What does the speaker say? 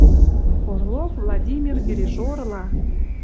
Орлов Владимир дирижерла